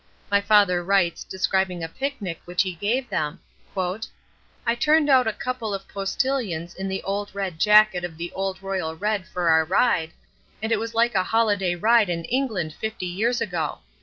My father writes describing a picnic which he gave them; "I turned out a couple of postilions in the old red jacket of the old Royal red for our ride, and it was like a holiday ride in England fifty years ago.